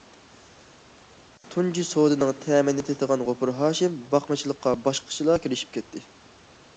تۇنجى سودىنىڭ تەمىنى تېتىغان غوپۇر ھاشىم باقمىچىلىققا باشقىچىلا كىرىشىپ كەتتى.